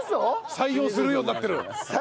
採用するようになってる。